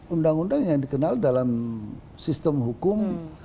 undang undang yang dikenal dalam sistem hukum